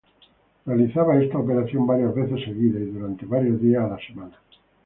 Realizaba esta operación varias veces seguidas y durante varios días a la semana.